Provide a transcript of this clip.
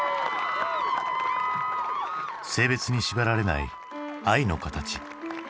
性別に縛られない愛の形。